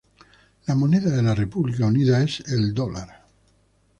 La moneda de la República Unida es el dólar.